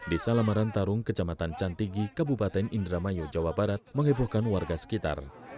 di salamaran tarung kejamatan cantigi kabupaten indramayu jawa barat menghiburkan warga sekitar